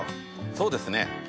そうですね